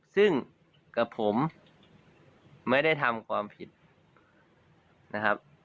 ซึ่งกับผมไม่ได้ทำความผิดนะครับ